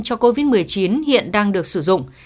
cho covid một mươi chín hiện đang được sử dụng